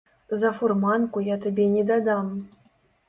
За фурманку я табе недадам.